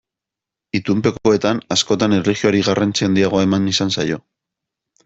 Itunpekoetan askotan erlijioari garrantzi handiagoa eman izan zaio.